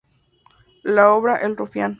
La obra 'El Rufián.